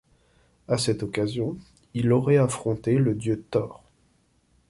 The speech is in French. À cette occasion, il aurait affronté le dieu Thor.